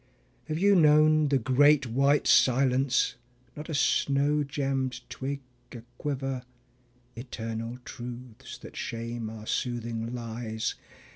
Have you known the Great White Silence, not a snow gemmed twig aquiver? (Eternal truths that shame our soothing lies).